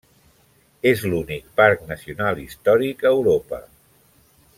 És l'únic parc nacional històric a Europa.